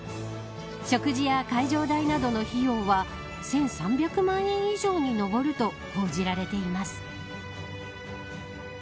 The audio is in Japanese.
食事や会場代などの費用は１３００万円以上に上ると報じられています。